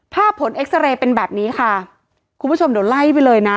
ผลเอ็กซาเรย์เป็นแบบนี้ค่ะคุณผู้ชมเดี๋ยวไล่ไปเลยนะ